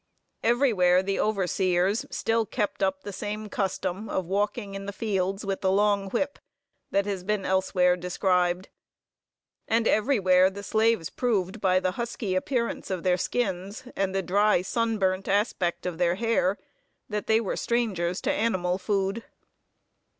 Everywhere, the overseers still kept up the same custom of walking in the fields with the long whip, that has been elsewhere described; and everywhere, the slaves proved, by the husky appearance of their skins, and the dry, sunburnt aspect of their hair, that they were strangers to animal food.